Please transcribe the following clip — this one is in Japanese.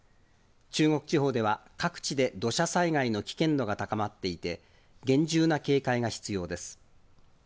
中国地方では、各地で土砂災害の危険度が高まっていて、厳重な警戒が必要です。